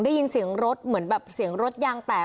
ได้ยินเสียงรถเหมือนแบบเสียงรถยางแตก